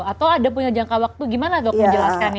atau ada punya jangka waktu gimana dok menjelaskan ya